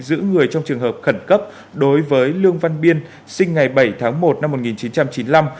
giữ người trong trường hợp khẩn cấp đối với lương văn biên sinh ngày bảy tháng một năm một nghìn chín trăm chín mươi năm